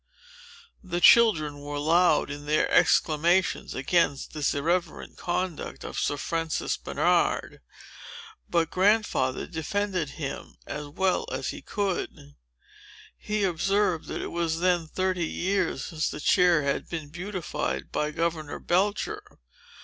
The children were loud in their exclamations against this irreverent conduct of Sir Francis Bernard. But Grandfather defended him, as well as he could. He observed, that it was then thirty years since the chair had been beautified by Governor Belcher.